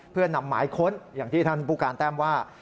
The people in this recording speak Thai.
เพื่อนำหมายค้นอย่างที่ท่านผู้การแต้มว่า